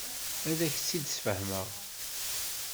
Ad ak-tt-id-sfehmeɣ.